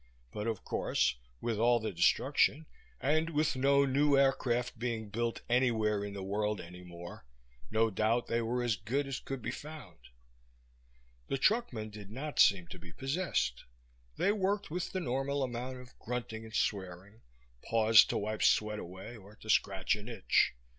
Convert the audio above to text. But, of course, with all the destruction, and with no new aircraft being built anywhere in the world any more, no doubt they were as good as could be found. The truckmen did not seem to be possessed; they worked with the normal amount of grunting and swearing, pausing to wipe sweat away or to scratch an itch.